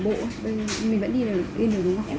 bộ mình vẫn đi là in được đúng không